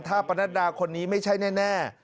ถ้าประนัดดาคนนี้ไม่ใช่แน่